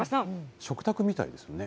食卓みたいですよね。